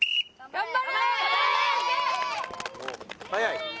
頑張れ。